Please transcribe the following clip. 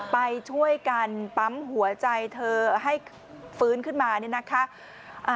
ไปช่วยกันปั๊มหัวใจเธอให้ฟื้นขึ้นมาเนี่ยนะคะ